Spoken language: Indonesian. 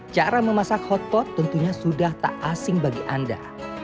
cara memasak hotpot tentunya sudah tak asing bagi anda